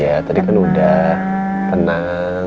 ya tadi kan udah tenang